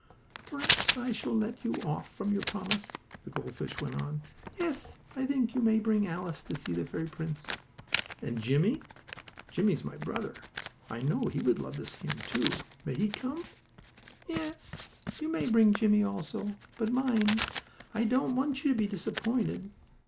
"Perhaps I shall let you off from your promise," the gold fish went on. "Yes, I think you may bring Alice to see the fairy prince." "And Jimmie? Jimmie's my brother. I know he would love to see him, too. May he come?" "Yes, you may bring Jimmie also. But mind, I don't want you to be disappointed.